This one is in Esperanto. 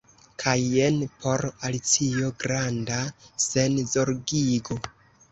Kaj jen por Alicio granda senzorgigo.